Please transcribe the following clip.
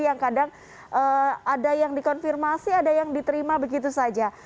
yang kadang ada yang dikonfirmasi ada yang diterima begitu saja